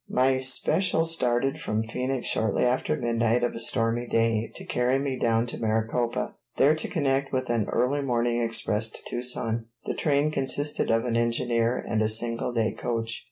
My special started from Phoenix shortly after midnight of a stormy day, to carry me down to Maricopa, there to connect with an early morning express into Tucson. The train consisted of an engine and a single day coach.